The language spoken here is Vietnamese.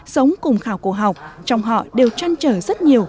sống cùng khảo cổ học trong họ đều trăn trở rất nhiều